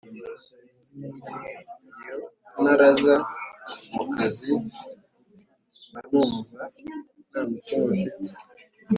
Iyo ntaraza mu kazi mbanumva ntamutima mfite